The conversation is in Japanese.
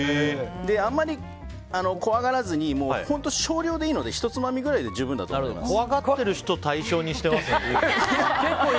あまり怖がらずに本当少量でいいのでひとつまみぐらいで怖がってる人対象にしてますね。